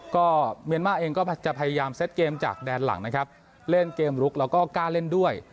ก็เมียนมาร์เองก็จะพยายามเซ็ตเกมจากแดนหลังนะครับเล่นเกมลุกแล้วก็กล้าเล่นด้วย